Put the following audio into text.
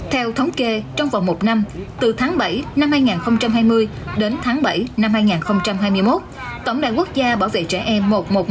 theo thống kê trong vòng một năm từ tháng bảy năm hai nghìn hai mươi đến tháng bảy năm hai nghìn hai mươi một tổng đài quốc gia bảo vệ trẻ em một trăm một mươi một